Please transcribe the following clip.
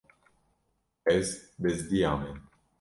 Ez bizdiyame.